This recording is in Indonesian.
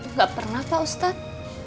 nggak pernah pak ustadz